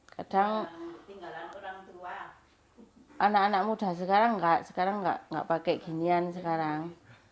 kadang anak anak muda sekarang tidak pakai ginian sekarang